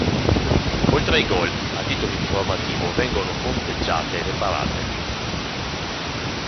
Oltre ai gol, a titolo informativo vengono conteggiate le parate.